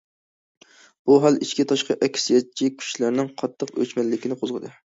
بۇ ھال ئىچكى-تاشقى ئەكسىيەتچى كۈچلەرنىڭ قاتتىق ئۆچمەنلىكىنى قوزغىدى.